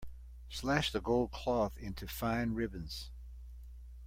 Slash the gold cloth into fine ribbons.